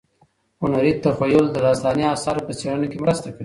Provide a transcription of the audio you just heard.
هنري تخیل د داستاني اثارو په څېړنه کي مرسته کوي.